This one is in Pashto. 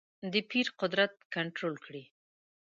د پیر قدرت کنټرول کړې.